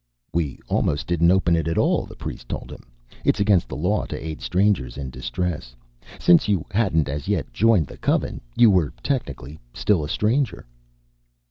"We almost didn't open it at all," the priest told him. "It's against the law to aid strangers in distress. Since you hadn't as yet joined the Coven, you were technically still a stranger."